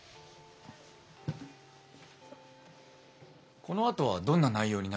このあとはどんな内容になるんですか？